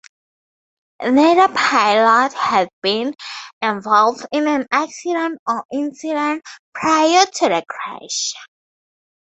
Neither pilot had been involved in an accident or incident prior to the crash.